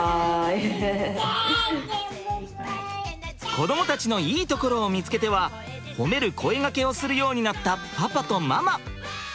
子どもたちのいいところを見つけては褒める声がけをするようになったパパとママ。